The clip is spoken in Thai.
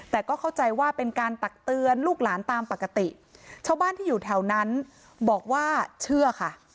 แต่ก็เข้าใจว่าเป็นการตักเตือนลูกหลานตามปกติชาวบ้านที่อยู่แถวนั้นบอกว่าเชื่อค่ะ